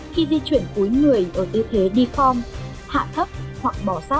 khi di chuyển cuối người ở tư thế đi phong hạ thấp hoặc bỏ sạch